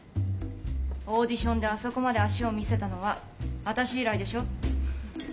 オーデションであそこまで足を見せたのは私以来でしょ？